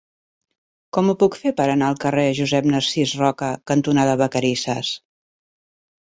Com ho puc fer per anar al carrer Josep Narcís Roca cantonada Vacarisses?